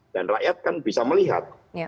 dan rakyat kan bisa melihat